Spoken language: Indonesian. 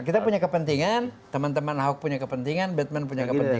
kita punya kepentingan teman teman ahok punya kepentingan batman punya kepentingan